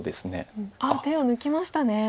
あっ手を抜きましたね。